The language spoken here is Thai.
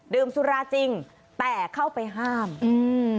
สุราจริงแต่เข้าไปห้ามอืม